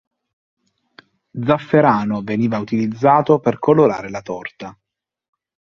Zafferano veniva utilizzato per colorare la torta.